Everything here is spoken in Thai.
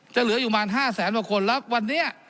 จะเหลืออยู่มาห้าแสนวันคนแล้ววันนี้